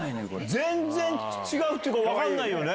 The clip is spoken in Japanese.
全然違うっていうか、分かんないよね。